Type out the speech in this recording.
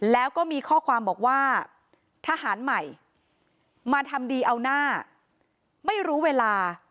แล้วก็มีข้อความบอกว่าทหารใหม่มาทำดีเอาหน้าไม่รู้เวลา